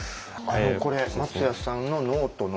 これ松谷さんのノートの表紙。